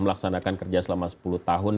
melaksanakan kerja selama sepuluh tahun